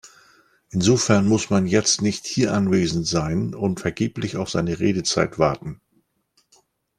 Insofern muss man jetzt nicht hier anwesend sein und vergeblich auf seine Redezeit warten.